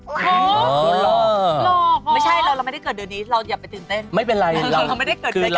อ๋อหลอกหรอไม่ใช่เราไม่ได้เกิดเดี๋ยวนี้เราอย่าไปตื่นเต้น